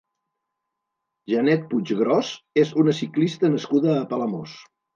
Janet Puiggròs és una ciclista nascuda a Palamós.